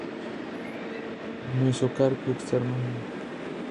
Mesocarpio externo.